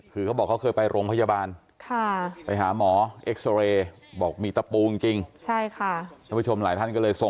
คือเขาบอกเขาเคยไปโรงพยาบาล